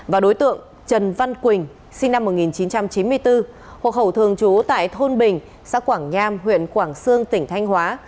và đối tượng trần văn quỳnh sinh năm một nghìn chín trăm chín mươi bốn hộ khẩu thường trú tại thôn bình xã quảng nham huyện quảng sương tỉnh thanh hóa